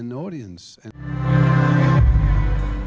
kami telah menghilangkan penduduk indonesia